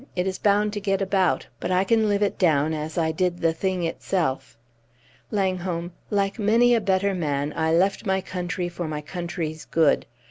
It is bound to get about, but I can live it down as I did the thing itself. Langholm, like many a better man, I left my country for my country's good.